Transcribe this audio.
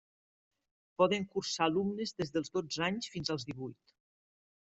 Poden cursar alumnes des dels dotze anys fins als divuit.